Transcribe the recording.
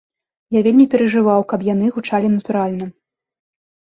Я вельмі перажываў, каб яны гучалі натуральна.